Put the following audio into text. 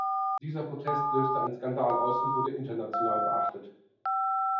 Dieser Protest löste einen Skandal aus und wurde international beachtet.